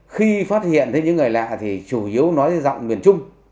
khi phát hiện thấy những người lạ thì chủ yếu nói giọng miền trung